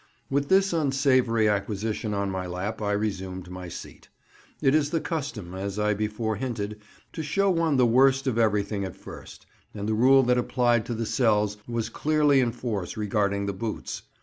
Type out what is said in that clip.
With this unsavoury acquisition on my lap I resumed my seat. It is the custom, as I before hinted, to show one the worst of everything at first, and the rule that applied to the cells was clearly in force regarding the boots.